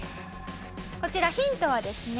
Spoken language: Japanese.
こちらヒントはですね